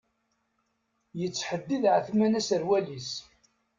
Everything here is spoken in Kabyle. Yettḥeddid Ԑetman aserwal-is.